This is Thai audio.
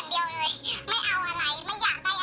ไม่เอาอะไรไม่อยากได้อะไร